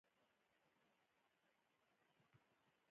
د کونډو او يتيمانو حق مه خورئ